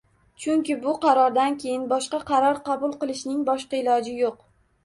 Chunki bu qarordan keyin boshqa qaror qabul qilishning boshqa iloji yo'q